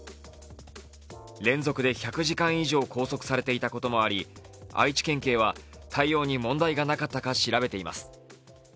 連続で１００時間以上拘束されていたこともあり、愛知県警は対応に問題がなかったか調べています。